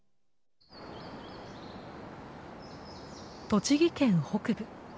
栃木県北部。